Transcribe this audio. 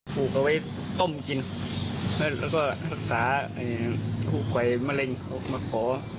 ผูกเอาไว้ต้มกินแล้วก็รักษาถูกไฟมะเร็งออกมาขอ